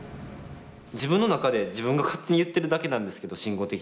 自分の中で自分が勝手に言ってるだけなんですけど慎吾的には。